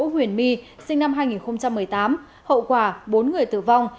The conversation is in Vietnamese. nguyễn đỗ huyền my sinh năm hai nghìn một mươi tám hậu quả bốn người tử vong